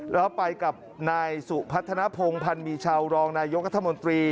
แล้วไปกับนายสุพัฒนภงพันธ์มีชาวรองนายกรัฐมนตรี